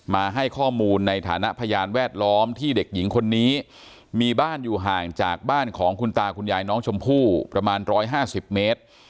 มาให้ข้อมูลในฐานะพยานแวดล้อมที่เด็กหญิงคนนี้มีบ้านอยู่ห่างจากบ้านของคุณตาคุณยายน้องชมพู่ประมาณ๑๕๐เมตร